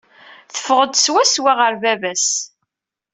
Teffeɣ-d swaswa ɣer baba-s.